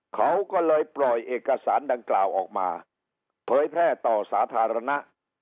เขาก็เลยปล่อยเอกสารดังกล่าวออกมาเผยแพร่ต่อสาธารณะ